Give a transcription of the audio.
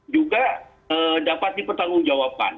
juga dapat dipertanggungjawabkan